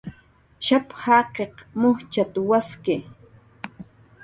"Tx'ap"" jaqiq mujchat"" waski"